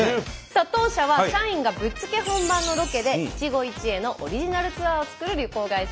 さあ当社は社員がぶっつけ本番のロケで一期一会のオリジナルツアーを作る旅行会社です。